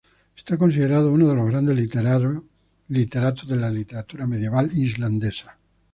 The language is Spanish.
Es considerado uno de los grandes literatos de la literatura medieval islandesa.